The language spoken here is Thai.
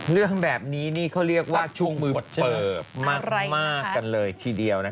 เรื่องแบบนี้นี่เขาเรียกว่าช่วงมือเปิบมากกันเลยทีเดียวนะคะ